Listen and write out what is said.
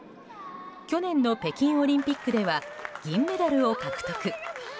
去年の北京オリンピックでは銀メダルを獲得。